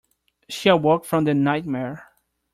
She awoke from the nightmare.